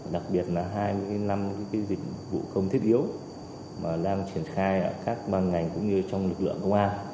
đặc biệt là hai mươi năm dịch vụ công thiết yếu đang triển khai ở các ngành cũng như trong lực lượng công an